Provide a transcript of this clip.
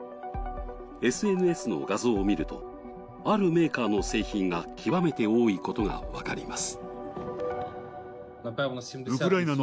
ＳＮＳの画像を見ると、あるメーカーの製品が極めて多いことが分かります。